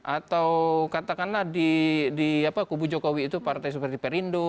atau katakanlah di kubu jokowi itu partai seperti perindo